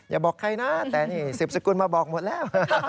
อย่าบอกใครนะแต่นี่สืบสกุลมาบอกหมดแล้ว